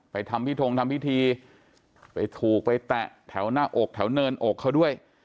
ทำพิทงทำพิธีไปถูกไปแตะแถวหน้าอกแถวเนินอกเขาด้วย